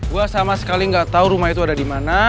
gue sama sekali nggak tau rumah itu ada dimana